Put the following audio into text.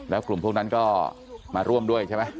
แล้วกลุ่มพวกนั้นก็มาร่วมด้วยใช่ไหม